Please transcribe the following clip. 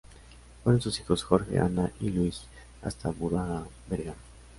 Fueron sus hijos Jorge, Ana y Luis Astaburuaga Vergara.